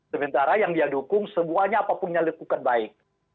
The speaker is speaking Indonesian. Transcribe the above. sementara yang dia dukung semuanya apapun yang dilakukan baik